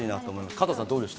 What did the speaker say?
加藤さん、どうでした？